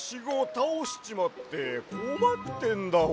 たおしちまってこまってんだわ。